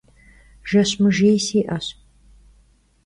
Jjeş mıjjêy si'eş.